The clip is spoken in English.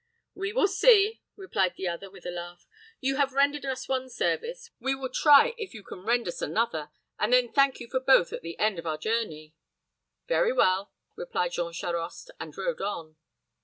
"We will see," replied the other, with a laugh; "you have rendered us one service, we will try if you can render us another, and then thank you for both at the end of our journey." "Very well," replied Jean Charost, and rode on.